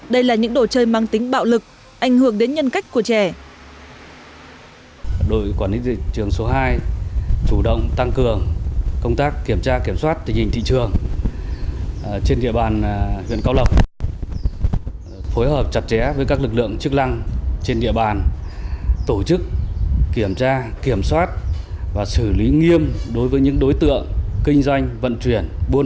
đây là những đồ chơi mang tính bạo lực ảnh hưởng đến nhân cách của trẻ